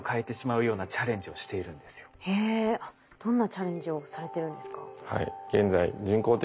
どんなチャレンジをされてるんですか？